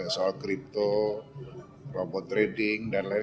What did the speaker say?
soal kripto robot trading dan lain